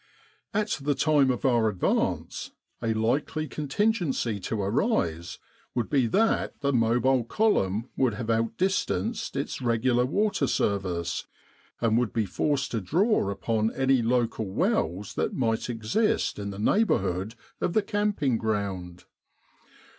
At the time of our advance, a likely contingency to arise would be that the Mobile Column would have outdistanced its regular water service, and would be forced to draw upon any local wells that might exist in the neighbourhood of the camping ground.